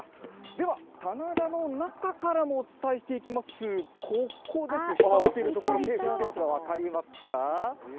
では、棚田の中からもお伝えしていきます、ここです、光っている所、手振っていますが、分かります？